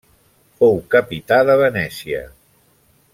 Fou capità de Venècia.